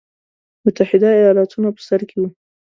متحده ایالتونه په سر کې وو.